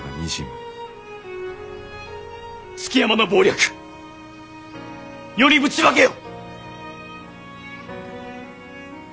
築山の謀略世にぶちまけよ！